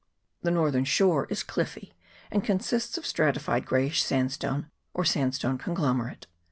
The northern shore is cliffy, and consists of strati fied greyish sandstone, or sandstone conglomerate.